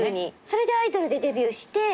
それでアイドルでデビューして。